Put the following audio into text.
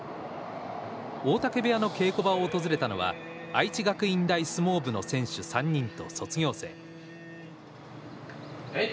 大嶽部屋の稽古場を訪れたのは愛知学院大相撲部の選手３人と卒業生。